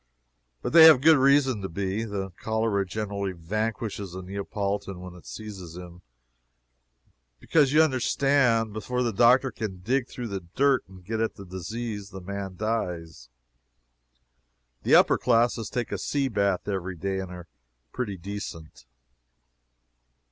But they have good reason to be. The cholera generally vanquishes a Neapolitan when it seizes him, because, you understand, before the doctor can dig through the dirt and get at the disease the man dies. The upper classes take a sea bath every day, and are pretty decent.